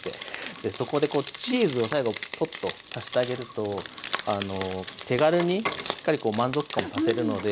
そこでこうチーズを最後ポッと足してあげると手軽にしっかりこう満足感も出せるので。